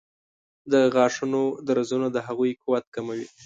د غاښونو درزونه د هغوی قوت کموي.